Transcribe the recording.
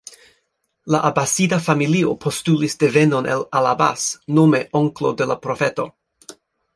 La Abasida familio postulis devenon el al-Abbas, nome onklo de la Profeto.